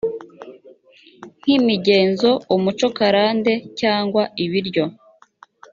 nk imigenzo umuco karande cyangwa ibiryo